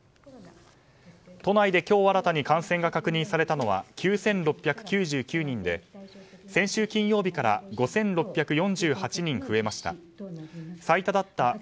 都内で今日新たに感染が確認されたのは９６９９人で先週金曜日から５６４８人増えました。